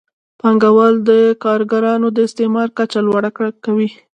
پانګوال د کارګرانو د استثمار کچه لوړه کوي